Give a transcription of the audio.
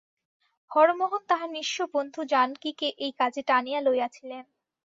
হরমোহন তাঁহার নিঃস্ব বন্ধু জানকীকে এই কাজে টানিয়া লইয়াছিলেন।